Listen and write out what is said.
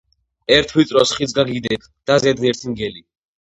ერთ ვიწროს ხიდს გაგიდებ და ზედ ერთი მგელი